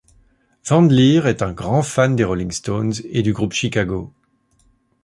Van Lier est un grand fan des Rolling Stones et du groupe Chicago.